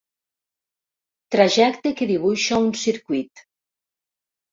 Trajecte que dibuixa un circuit.